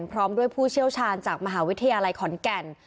พร้อมด้วยผู้เชี่ยวชาญจากมหาวิทยาลัยขอนแก่น